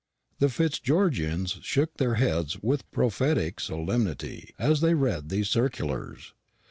The Fitzgeorgians shook their heads with prophetic solemnity as they read these circulars.